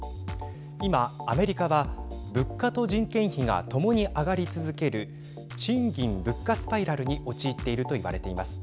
今、アメリカは物価と人件費が共に上がり続ける賃金・物価スパイラルに陥っているといわれています。